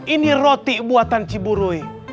ini roti buatan ciburui